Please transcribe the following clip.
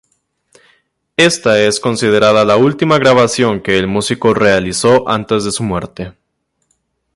Ésta es considerada la última grabación que el músico realizó antes de su muerte.